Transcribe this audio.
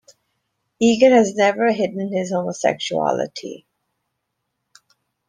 Egan has never hidden his homosexuality.